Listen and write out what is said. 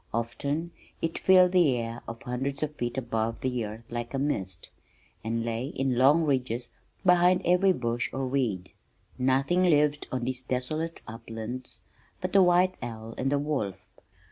Often it filled the air for hundreds of feet above the earth like a mist, and lay in long ridges behind every bush or weed. Nothing lived on these desolate uplands but the white owl and the wolf.